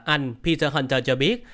anh peter hunter cho biết